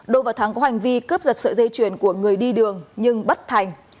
đô và thắng có hành vi cướp giật sợi dây chuyền của người đi đường nhưng bất thành